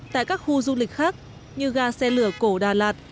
tại các khu du lịch khác như ga xe lửa cổ đà lạt